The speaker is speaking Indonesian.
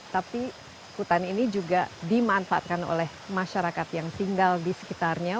tapi hutan ini juga dimanfaatkan oleh masyarakat yang tinggal di sekitarnya